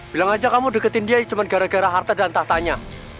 bilang aja kamu deketin dia cuma gara gara harta dan tahtanya